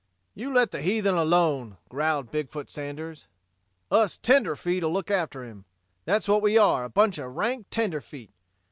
"You let the heathen alone," growled Big foot Sanders. "Us tenderfeet'll look after him. That's what we are, a bunch of rank tenderfeet.